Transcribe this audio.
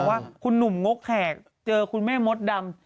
ว่าคุณหนุ่มงกแขกเจอคุณแม่มดดำ